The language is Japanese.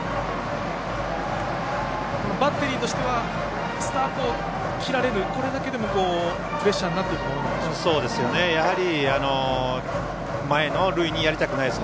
バッテリーとしてはスタートを切られるこれだけでもプレッシャーになっていくものなんでしょうか。